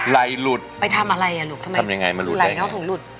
ไหล่หลุดไปทำอะไรอ่ะลูกทำยังไงมาหลุดได้ไงไหล่เขาถึงหลุด